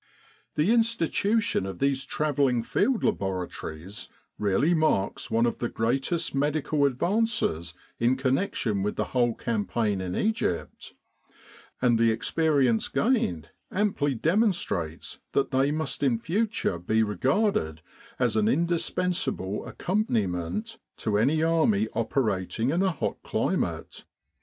The institution of these travelling Field Labora tories really marks one of the greatest medical ad vances in connection with the whole campaign in Egypt ; and the experience gained amply demonstrates that they must in future be regarded as an indispens able accompaniment to any army operating in a hot climate.